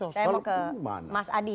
saya mau ke mas adi